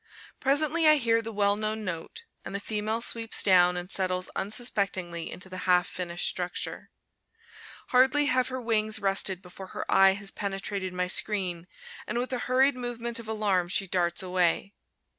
Presently I hear the well known note, and the female sweeps down and settles unsuspectingly into the half finished structure. Hardly have her wings rested before her eye has penetrated my screen, and with a hurried movement of alarm she darts away.